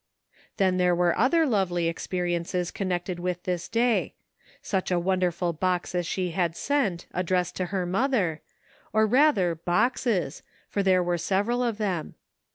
Then there were other lovely experiences connected with this day. Such a wonderful box as she had sent, addressed to her mother ; or rather boxes, for there were several of them.